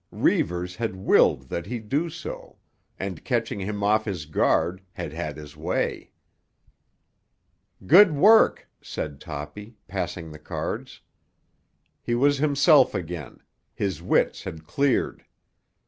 Reivers had willed that he do so, and, catching him off his guard, had had his way. "Good work!" said Toppy, passing the cards. He was himself again; his wits had cleared.